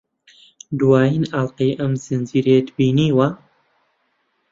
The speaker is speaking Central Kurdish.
دوایین ئەڵقەی ئەم زنجیرەیەت بینیوە؟